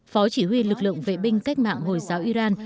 phó chỉ huy lực lượng vệ binh cách mạng hồi giáo iran